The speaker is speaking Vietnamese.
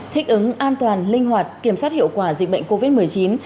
thích ứng an toàn linh hoạt kiểm soát hiệu quả dịch bệnh covid một mươi chín